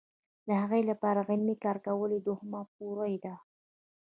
د هغې لپاره عملي کار کول یې دوهمه پوړۍ ده.